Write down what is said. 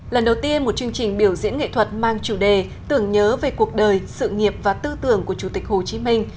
lần đầu tiên một chương trình biểu diễn nghệ thuật mang chủ đề tưởng nhớ về cuộc đời sự nghiệp và tư tưởng của chủ tịch hồ chí minh